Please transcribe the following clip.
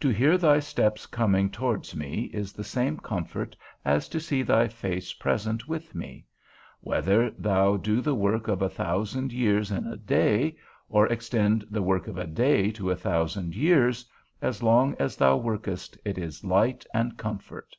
To hear thy steps coming towards me is the same comfort as to see thy face present with me; whether thou do the work of a thousand years in a day, or extend the work of a day to a thousand years, as long as thou workest, it is light and comfort.